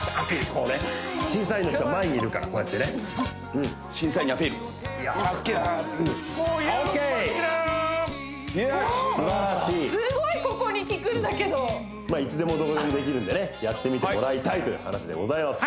こうね審査員の人前にいるからこうやってね審査員にアピールオーケーマスキュラーすばらしいすごいここにきくんだけどいつでもどこでもできるんでねやってみてもらいたいという話でございます